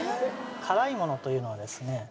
辛いものというのはですね